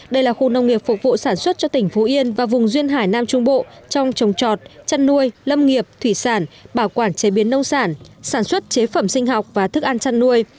đây là khu nông nghiệp phục vụ sản xuất cho tỉnh phú yên và vùng duyên hải nam trung bộ trong trồng trọt chăn nuôi lâm nghiệp thủy sản bảo quản chế biến nông sản sản xuất chế phẩm sinh học và thức ăn chăn nuôi